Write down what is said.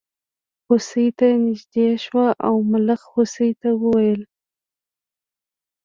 هوسۍ ته نژدې شو او ملخ هوسۍ ته وویل.